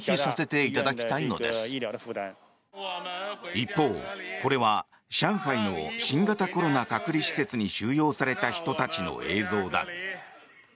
一方、これは上海の新型コロナ隔離施設に収容された人たちの映像だ。